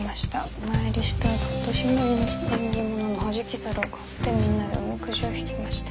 お参りしたあと今年の縁起物のはじき猿を買ってみんなでおみくじを引きました。